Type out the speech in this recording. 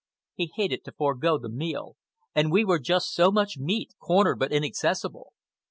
He hated to forego the meal, and we were just so much meat, cornered but inaccessible.